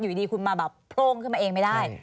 อยู่ดีคุณมาแบบโพร่งขึ้นมาเองไม่ได้